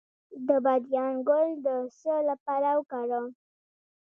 د بادیان ګل د څه لپاره وکاروم؟